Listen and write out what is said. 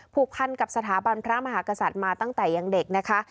ผูกพันกับสถาบันพระมหากษัตริย์มาตั้งแต่ยังเด็กนะคะ